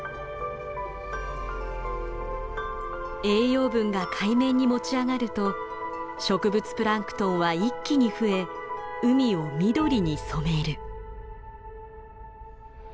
栄養分が海面に持ち上がると植物プランクトンは一気に増え海を緑に染める。